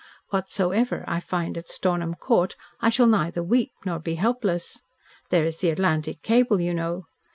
Whatsoever I find at Stornham Court, I shall neither weep nor be helpless. There is the Atlantic cable, you know.